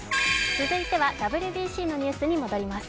続いてはＷＢＣのニュースに戻ります。